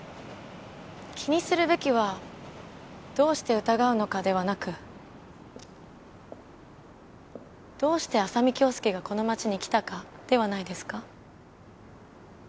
気にするべきは「どうして疑うのか」ではなく「どうして浅海恭介がこの町に来たか」ではないですか？